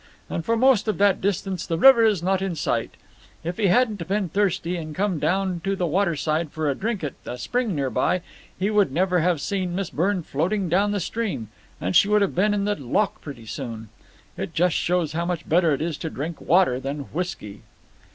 And for most of that distance the river is not in sight. If he hadn't been thirsty and come down to the water side for a drink at a spring near by, he would never have seen Miss Byrne floating down the stream, and she would have been in the loch pretty soon. It just shows how much better it is to drink water than whisky."